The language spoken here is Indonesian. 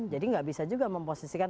jadi nggak bisa juga memposisikan